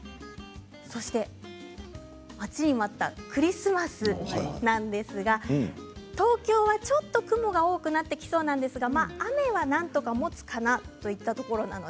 そして待ちに待ったクリスマスなんですけれど東京はちょっと雲が多くなってきそうなんですが雨はなんとかもつかなといったところです。